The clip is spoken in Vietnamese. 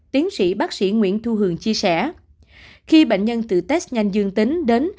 tiến sĩ bác sĩ nguyễn thu hường chia sẻ khi bệnh nhân từ test nhanh dương tính đến